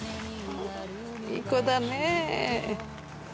いい子だね。